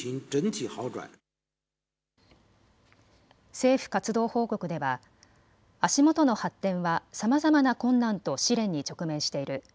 政府活動報告では足元の発展はさまざまな困難と試練に直面している。